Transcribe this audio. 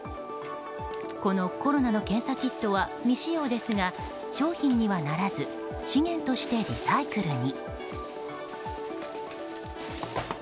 このコロナの検査キットは未使用ですが商品にはならず資源としてリサイクルに。